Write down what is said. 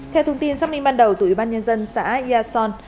theo thông tin xác minh ban đầu tùy ban nhân dân xã yà son